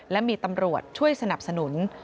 และมีตำรวจช่วยสนับสนุน